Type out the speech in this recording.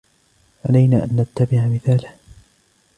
علينا أن نتّبع مثاله.